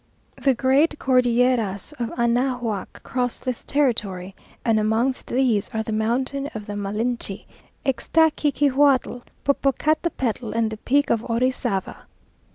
The great Cordilleras of Anahuac cross this territory, and amongst these are the Mountain of the Malinchi, Ixtaccihuatl, Popocatepetl, and the Peak of Orizava.